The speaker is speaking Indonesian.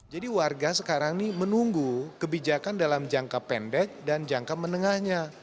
jadi warga sekarang ini menunggu kebijakan dalam jangka pendek dan jangka menengahnya